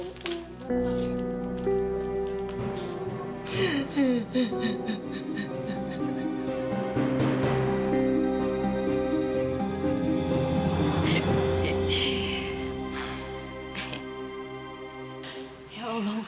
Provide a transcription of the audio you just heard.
sita nggak paham mama dewi lumpuh